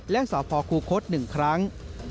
และสพคูคศ๑ครั้ง